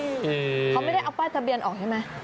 เขาไม่ได้เอาป้ายทะเบียนออกใช่ไหม